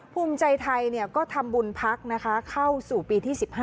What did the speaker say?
ภูมิใจไทยก็ทำบุญพรรคเข้าสู่ปี๑๕